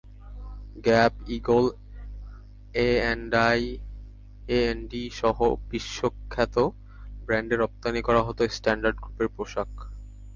Gap, Eagle, এঅ্যান্ডইসহ বিশ্বখ্যাত ব্র্যান্ডে রপ্তানি করা হতো স্ট্যান্ডার্ড গ্রুপের পোশাক।